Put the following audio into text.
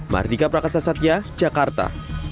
mardika prakasa satya jakarta